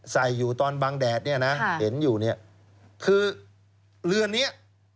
ใส่อยู่ตอนบังแดดนะคือเรือนนี้